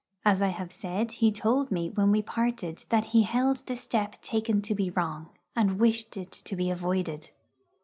As I have said, he told me when we parted that he held the step taken to be wrong, and wished it to be avoided.